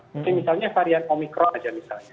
jadi misalnya varian omikron aja misalnya